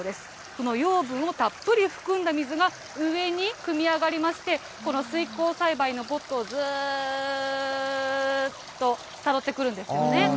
その養分をたっぷり含んだ水が上にくみ上がりまして、この水耕栽培のポットをずっとたどってくるんですよね。